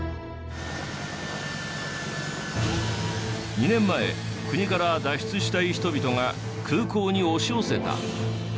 ２年前国から脱出したい人々が空港に押し寄せた。